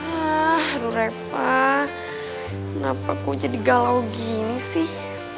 aduh reva kenapa kok jadi galau gini sih